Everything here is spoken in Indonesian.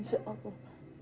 insya allah bapak